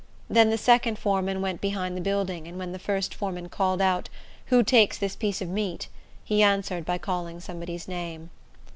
Then the second foreman went behind the building, and when the first foreman called out, "Who takes this piece of meat?" he answered by calling somebody's name.